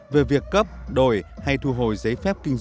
về việc cấp đổi hay đổi